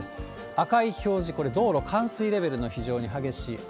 赤い表示、これ、道路冠水レベルの非常に激しい雨。